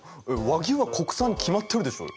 和牛は国産に決まってるでしょ！